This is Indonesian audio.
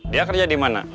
dia kerja di mana